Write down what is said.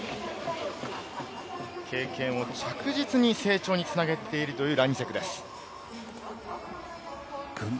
経験を着実に成長につなげているというラニセクです。